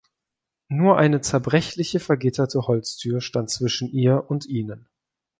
Nur eine zerbrechliche vergitterte Holztür stand zwischen ihr und ihnen.